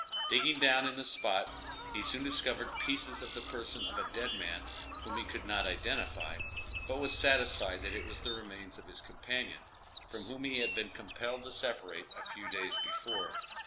Digging down in the spot, he soon discovered pieces of the person of a dead man, whom he could not identify, but was satisfied that it was the remains of his companion, from whom he had been compelled to separate a few days before.